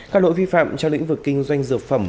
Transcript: các lỗi vi phạm trong lĩnh vực kinh doanh dược phẩm